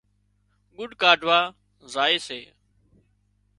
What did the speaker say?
ڳُڏ ڪاڍوا زائي سي